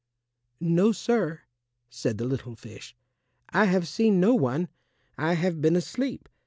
"No, sir," said the little fish, "I have seen no one; I have been asleep.